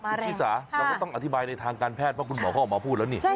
อุทิศาต้องอธิบายในทางการแพทย์ว่าคุณหมอกับหมอพูดแล้วนี่